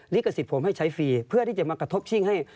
ลิขสิทธิ์ผมให้ใช้ฟรีเพื่อที่จะมากระทบชิ่งให้